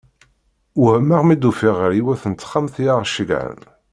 Wehmeɣ mi d-ufiɣ ɣer yiwet n texxamt i aɣ-ceggɛen.